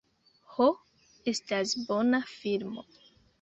"Ho, estas bona filmo."